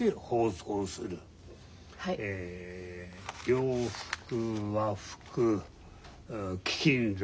洋服和服貴金属毛皮